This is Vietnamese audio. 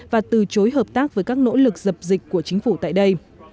và từ chối hợp tác với các nỗ lực dập dịch của chính phủ tại đây